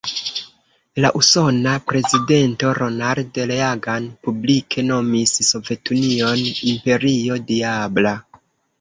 La usona prezidento Ronald Reagan publike nomis Sovetunion, "imperio diabla".